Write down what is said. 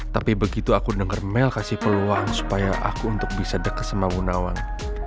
tapi begitu aku denger mel kasih peluang supaya aku untuk bisa deket sama gunawan